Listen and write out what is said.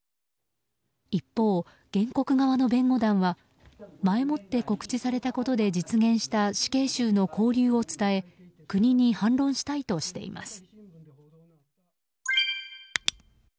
一方、原告側の弁護団は前もって告知されたことで実現した死刑囚の交流を伝え国に反論したいとしています。